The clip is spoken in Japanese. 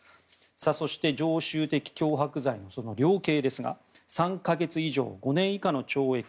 そして常習的脅迫罪の量刑ですが３か月以上５年以下の懲役。